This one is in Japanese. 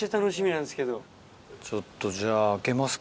ちょっとじゃあ。